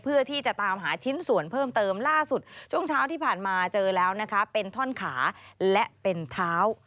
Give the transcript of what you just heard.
เพื่อที่จะตามหาชิ้นส่วนเพิ่มเติมล่าสุดช่วงเช้าที่ผ่านมาเจอแล้วนะคะเป็นท่อนขาและเป็นเท้า